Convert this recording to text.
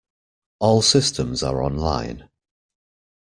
All systems are online.